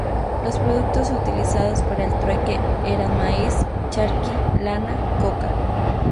Los productos utilizados para el trueque eran maíz, charqui, lana, coca.